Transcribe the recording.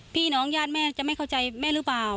พี่น้องญาติแม่จะไม่เข้าใจแม่หรือเปล่า